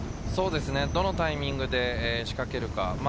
どのタイミングで仕掛けるか。